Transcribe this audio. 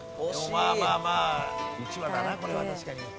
まあまあまあうちわだなこれは確かに。